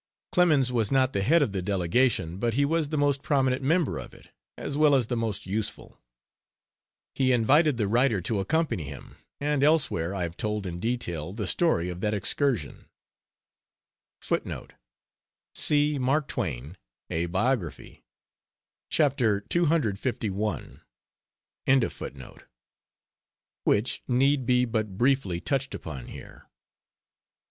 Clemens was not the head of the delegation, but he was the most prominent member of it, as well as the most useful. He invited the writer to accompany him, and elsewhere I have told in detail the story of that excursion, [See Mark Twain; A Biography, chap. ccli,] which need be but briefly touched upon here.